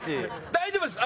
大丈夫です。